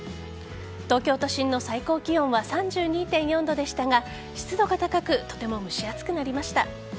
東京都心の最高気温は３２．４度でしたが湿度が高くとても蒸し暑くなりました。